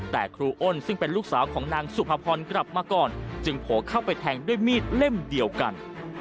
แต่ครูอ้นซึ่งเป็นลูกสาวของนางสุภพรกลับมาก่อนจึงโผล่เข้าไปแทงด้วยมีดเล่มเดียวกัน